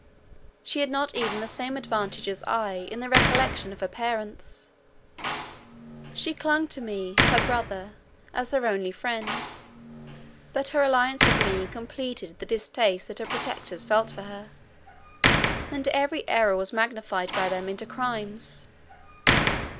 She had not even the same advantage as I in the recollection of her parents; she clung to me, her brother, as her only friend, but her alliance with me completed the distaste that her protectors felt for her; and every error was magnified by them into crimes.